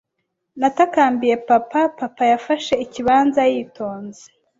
Natakambiye papa. Papa yafashe Ikibanza yitonze,